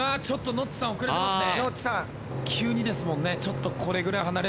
ノッチさん遅れてますね。